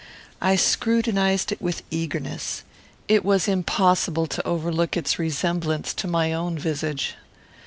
I scrutinized it with eagerness. It was impossible to overlook its resemblance to my own visage.